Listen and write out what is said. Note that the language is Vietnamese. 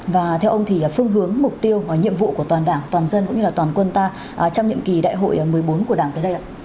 và theo ông thì phương hướng mục tiêu nhiệm vụ của toàn đảng toàn dân cũng như toàn quân ta trong nhiệm kỳ đại hội một mươi bốn của đảng tới đây ạ